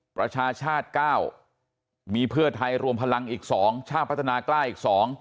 ประชาชาติ๙มีเพื่อไทยรวมพลังอีก๒ชาติพัฒนากล้าอีก๒